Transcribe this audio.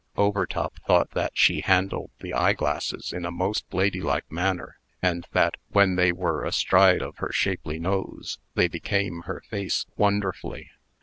Overtop thought that she handled the eyeglasses in a most ladylike manner; and that, when they were astride of her shapely nose, they became her face wonderfully.